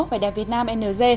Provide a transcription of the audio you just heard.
vẻ đẹp việt nam ng